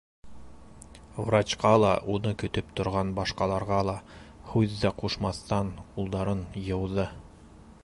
Врачҡа ла, уны көтөп торған башҡаларға ла һүҙ ҙә ҡушмаҫтан ҡулдарын йыуҙы.